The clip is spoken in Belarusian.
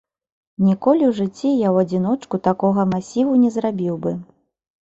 Ніколі ў жыцці я ў адзіночку такога масіву не зрабіў бы.